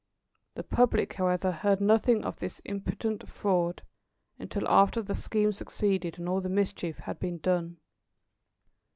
The public, however, heard nothing of this impudent fraud, until after the scheme succeeded and all the mischief had been done.